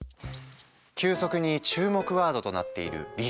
急速に注目ワードとなっているリスキリング。